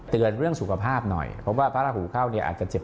เรื่องสุขภาพหน่อยเพราะว่าพระราหูเข้าเนี่ยอาจจะเจ็บ